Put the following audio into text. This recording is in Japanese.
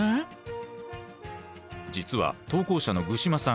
実は投稿者の具嶋さん